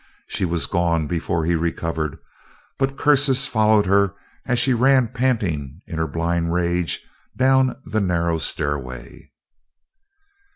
She was gone before he recovered, but curses followed her as she ran panting in her blind rage down the narrow stairway.